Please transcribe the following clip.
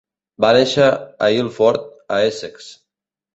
Va néixer a Ilford, a Essex.